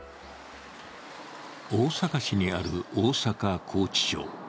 大阪市にある大阪拘置所。